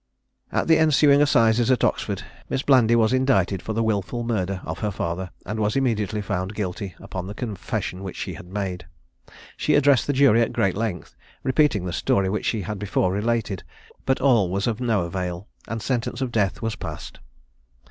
At the ensuing assizes at Oxford, Miss Blandy was indicted for the wilful murder of her father, and was immediately found guilty, upon the confession which she had made. She addressed the jury at great length, repeating the story which she had before related; but all was of no avail, and sentence of death was passed.